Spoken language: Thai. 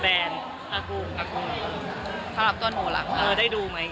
แบรนด์ภาคกู้ภาคกู้ภาพต้นหัวหลักได้ดูไหม